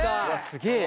すげえ！